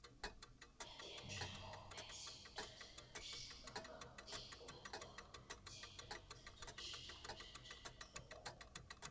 蓝田站后备行车隧道是香港港铁观塘线一段不再作日常行车用的路轨。